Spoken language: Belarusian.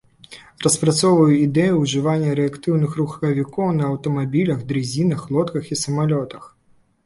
Распрацоўваў ідэю ужывання рэактыўных рухавікоў на аўтамабілях, дрызінах, лодках і самалётах.